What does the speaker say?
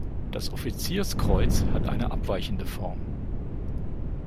Das Offizierskreuz hat ein abweichende Form.